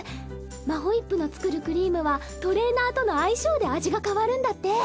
マホイップの作るクリームはトレーナーとの相性で味が変わるんだって。